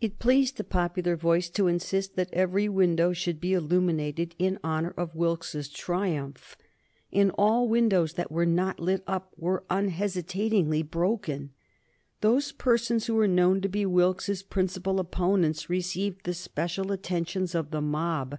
It pleased the popular voice to insist that every window should be illuminated in honor of Wilkes's triumph, and all windows that were not lit up were unhesitatingly broken. Those persons who were known to be Wilkes's principal opponents received the special attentions of the mob.